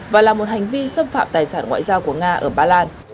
và là một hành vi xâm phạm tài sản ngoại giao của nga ở ba lan